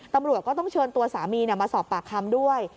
ตำรวจก็ต้องเชิญตัวสามีมาสอบปากคำด้วย